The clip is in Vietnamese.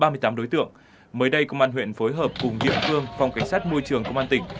mới đây công an huyện phối hợp cùng điện cương phòng cảnh sát môi trường công an tỉnh